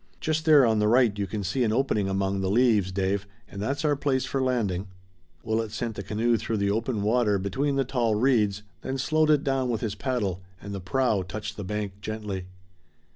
Just there on the right you can see an opening among the leaves, Dave, and that's our place for landing." Willet sent the canoe through the open water between the tall reeds, then slowed it down with his paddle, and the prow touched the bank gently.